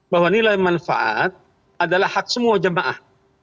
bahwa nilai manfaat adalah hak semua jemaah